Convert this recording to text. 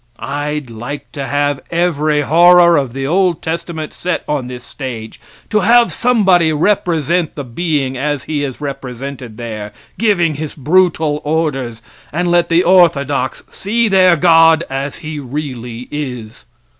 I'd like to have every horror of the old testament set on this stage, to have somebody represent the being as he is represented there, giving his brutal orders, and let the orthodox see their God as he really is.